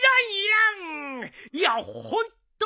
いやホントに。